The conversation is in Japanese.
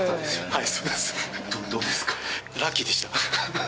はい。